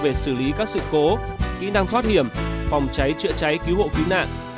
về xử lý các sự cố kỹ năng thoát hiểm phòng cháy chữa cháy cứu hộ cứu nạn